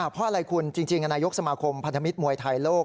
เพราะอะไรคุณจริงนายกสมาคมพันธมิตรมวยไทยโลก